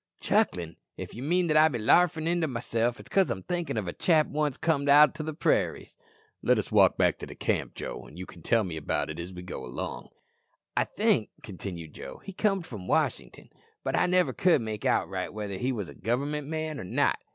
"Chucklin'? If ye mean be that 'larfin in to myself,' it's because I'm thinkin' o' a chap as once comed out to the prairies." "Let us walk back to the camp, Joe, and you can tell me about him as we go along." "I think," continued Joe, "he comed from Washington, but I never could make out right whether he wos a Government man or not.